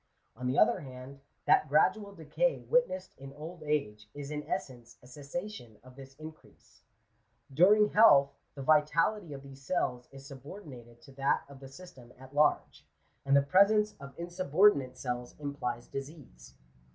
On the other hand, that gradual decay witnessed in old age, is in essence a cessation of this increase. During health, the vitality of these cells is subordinated to that of the system at large ; and the presence of insubordinate cells implies disease.